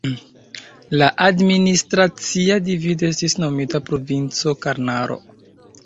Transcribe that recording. La administracia divido estis nomita Provinco Karnaro.